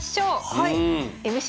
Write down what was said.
はい！